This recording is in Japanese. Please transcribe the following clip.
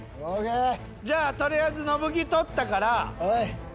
じゃあとりあえず乃ブ木撮ったから。